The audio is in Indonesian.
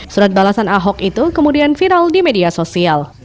surat balasan ahok itu kemudian viral di media sosial